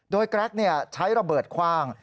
โดยแกรกใช้ระเบิดคว่าง